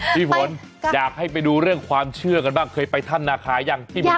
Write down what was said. พี่ฝนอยากให้ไปดูเรื่องความเชื่อกันบ้างเคยไปถ้ำนาคายังที่เมือง